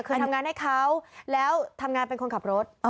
เคยทำงานให้เขาแล้วทำงานเป็นคนขับรถ